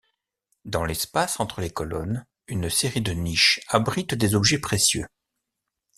Dans l'espace entre les colonnes, une série de niches abrite des objets précieux.